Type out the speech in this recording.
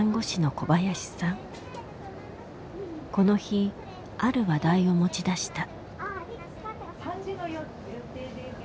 この日ある話題を持ち出した。